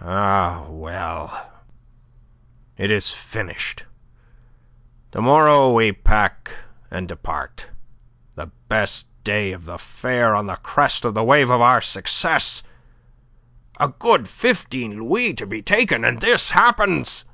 Ah, well, it is finished. To morrow we pack and depart. The best day of the fair, on the crest of the wave of our success a good fifteen louis to be taken, and this happens!